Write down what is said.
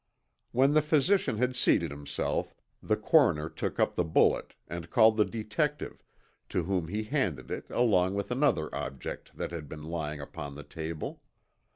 When the physician had seated himself the coroner took up the bullet and called the detective, to whom he handed it along with another object that had been lying upon the table.